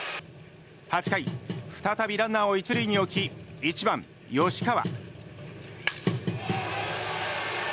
８回、再びランナーを１塁に置き１番、吉川。